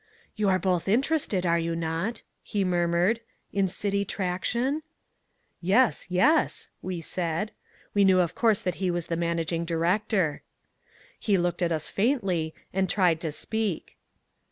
"'You are both interested, are you not,' he murmured, 'in City Traction?' "'Yes, yes,' we said. We knew of course that he was the managing director. "He looked at us faintly and tried to speak.